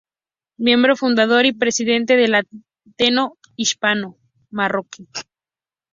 Miembro fundador y Presidente del Ateneo Hispano-Marroquí.